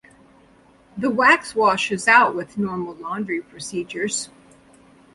The wax washes out with normal laundry procedures.